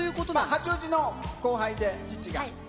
八王子の後輩で、チッチが。